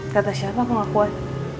kata siapa aku gak kuat